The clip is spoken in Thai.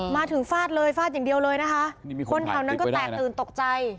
มาถึงฟาดเลยฟาดอย่างเดียวเลยนะคะคนแถวนั้นก็แตกตื่นตกใจ